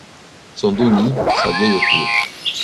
Son doux nid, sa vieille tour…